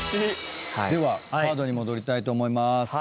ではカードに戻りたいと思います。